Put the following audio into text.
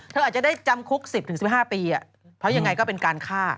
อาจจะได้จำคุก๑๐๑๕ปีเพราะยังไงก็เป็นการฆ่า